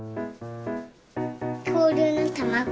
きょうりゅうのたまご。